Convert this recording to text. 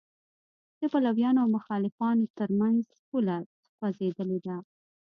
د پلویانو او مخالفانو تر منځ پوله خوځېدلې ده.